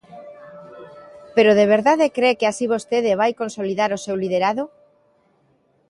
Pero ¿de verdade cre que así vostede vai consolidar o seu liderado?